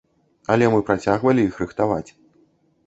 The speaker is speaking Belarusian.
Але мы працягвалі іх рыхтаваць.